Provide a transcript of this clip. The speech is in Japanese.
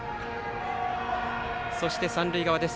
そして、三塁側です。